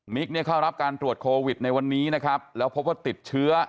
เนี่ยเข้ารับการตรวจโควิดในวันนี้นะครับแล้วพบว่าติดเชื้อ